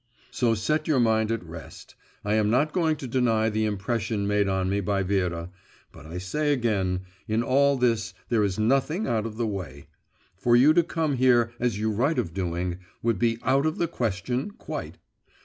So set your mind at rest. I am not going to deny the impression made on me by Vera, but I say again, in all this there is nothing out of the way. For you to come here, as you write of doing, would be out of the question, quite.